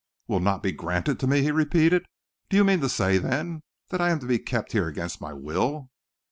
"Will not be granted to me?" he repeated. "Do you mean to say, then, that I am to be kept here against my will?"